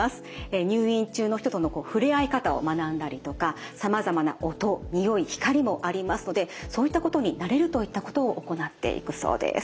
入院中の人との触れ合い方を学んだりとかさまざまな音におい光もありますのでそういったことに慣れるといったことを行っていくそうです。